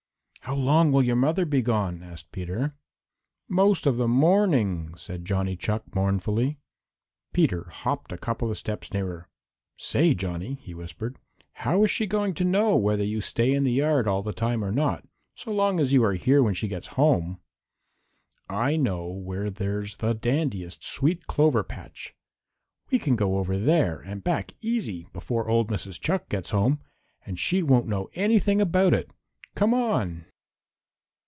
"How long will your mother be gone?" asked Peter. "Most all the morning," said Johnny Chuck mournfully. Peter hopped a couple of steps nearer. "Say, Johnny," he whispered, "how is she going to know whether you stay in the yard all the time or not, so long as you are here when she gets home? I know where there's the dandiest sweet clover patch. We can go over there and back easy before old Mrs. Chuck gets home, and she won't know anything about it. Come on!"